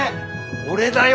俺だよ